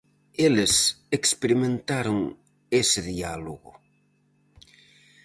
Eles experimentaron ese diálogo.